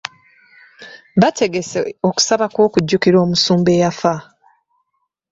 Baategese okusaba kw'okujjukira omusumba eyafa.